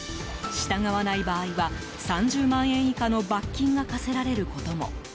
従わない場合は３０万円以下の罰金が科せられることも。